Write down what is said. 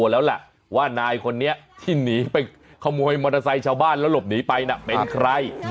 แล้วแหละว่านายคนนี้ที่หนีไปขโมยมอเตอร์ไซค์ชาวบ้านแล้วหลบหนีไปน่ะเป็นใคร